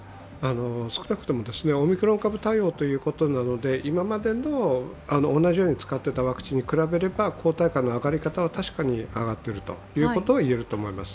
少なくともオミクロン株対応ということなので今まで同じように使っていたワクチンに比べれば抗体価の上がり方は確かに上がっているということはいえると思います。